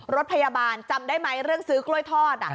รถพยาบาลจำได้ไหมเรื่องซื้อกล้วยทอด